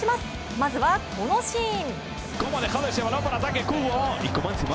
まずはこのシーン。